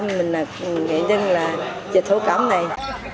mình là nghệ nhân là dịch thủ cầm này